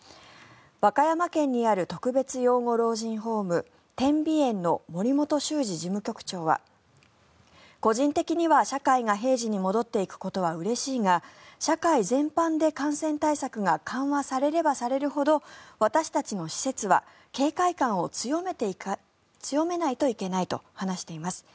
和歌山県にある特別養護老人ホーム、天美苑の森本修司事務局長は個人的には社会が平時に戻っていくことはうれしいが社会全般で感染対策が緩和されればされるほど私たちの施設は警戒感を強めないといけないと話しています。